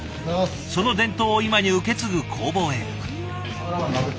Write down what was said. その伝統を今に受け継ぐ工房へ。